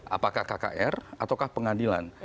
apakah kkr atau pengadilan